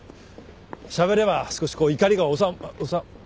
しゃべれば少しこう怒りがおさ。